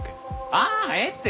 ああええって。